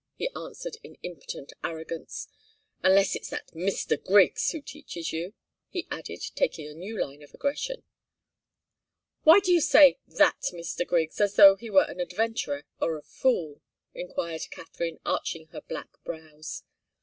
he answered, in impotent arrogance. "Unless it's that Mr. Griggs who teaches you," he added, taking a new line of aggression. "Why do you say 'that' Mr. Griggs, as though he were an adventurer or a fool?" enquired Katharine, arching her black brows.